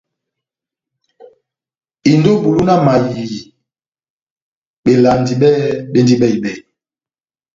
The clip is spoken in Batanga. Indi ó bulu na mayiii belandi bɛ́hɛ́pi bendi bɛhi-bɛhi.